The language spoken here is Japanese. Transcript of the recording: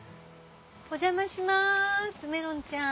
お邪魔しますメロンちゃん。